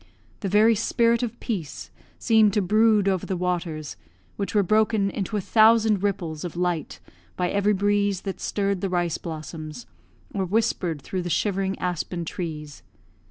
The very spirit of peace seemed to brood over the waters, which were broken into a thousand ripples of light by every breeze that stirred the rice blossoms, or whispered through the shivering aspen trees.